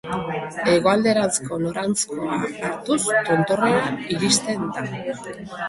Hegoalderanzko noranzkoa hartuz, tontorrera iristen da.